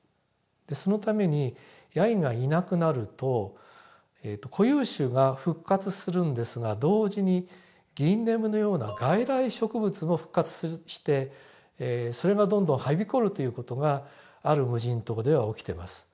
そのためにヤギがいなくなると固有種が復活するんですが同時にギンネムのような外来植物も復活してそれがどんどんはびこるという事がある無人島では起きてます。